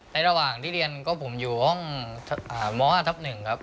ในระหว่างที่เรียนก็ผมอยู่ห้องหมอห้าทับหนึ่งครับ